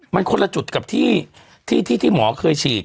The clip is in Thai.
มันคนละจุดกับที่หมอเคยฉีด